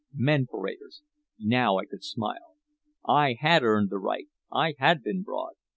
Men paraders! Now I could smile. I had earned the right, I had been broad.